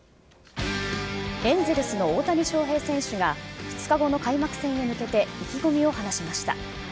エンゼルスの大谷翔平選手が２日後の開幕戦へ向けて意気込みを話しました。